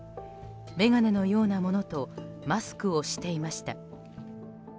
眼鏡のようなものとマスクをしていました。